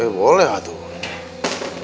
eh boleh atuh